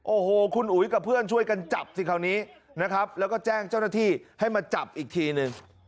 โอ้โหคุณอุ๋ยกับเพื่อนช่วยกันจับสิคราวนี้นะครับแล้วก็แจ้งเจ้าหน้าที่ให้มาจับอีกทีนึง